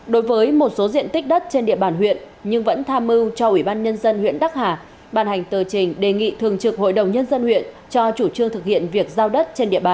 đối với một số diện tích đất trên địa bàn huyện nhưng vẫn tham mưu cho ủy ban nhân dân huyện đắc hà ban hành tờ trình đề nghị thường trực hội đồng nhân dân huyện cho chủ trương thực hiện việc giao đất trên địa bàn